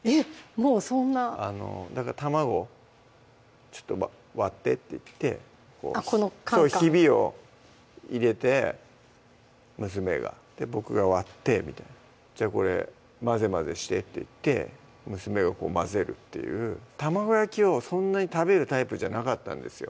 もうそんなだから卵「ちょっと割って」って言ってこのカンカンそうひびを入れて娘がでボクが割ってみたいな「じゃあこれ混ぜ混ぜして」って言って娘がこう混ぜるっていう卵焼きをそんなに食べるタイプじゃなかったんですよ